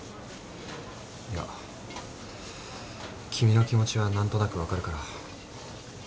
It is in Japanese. いや君の気持ちは何となく分かるから。